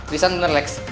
risan benar lex